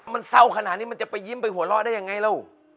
มันเศร้าขนาดนี้มันจะไปยิ้มไปหัวเราะได้ยังไงแล้ว